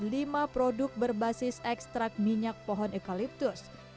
lima produk berbasis ekstrak minyak pohon ekaliptus